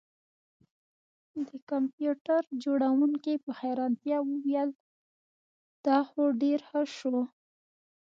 د کمپیوټر جوړونکي په حیرانتیا وویل دا خو ډیر ښه شو